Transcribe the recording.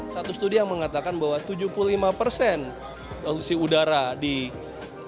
satu studi yang mengatakan bahwa tujuh puluh lima persen polusi udara di indonesia